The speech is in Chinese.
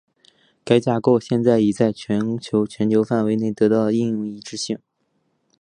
该架构现在已经在全球全球范围内得到应用一致性。